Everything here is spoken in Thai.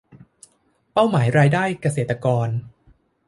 เป้าหมายรายได้เกษตรกร